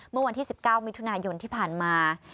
เมื่อวันที่๑๙มิถุนายนที่ผ่านมา